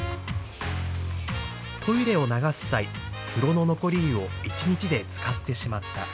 トイレを流す際、風呂の残り湯を一日で使ってしまった。